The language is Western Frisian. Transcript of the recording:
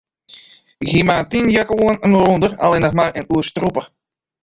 Ik hie mar in tin jack oan en dêrûnder allinnich mar in oerstrûper.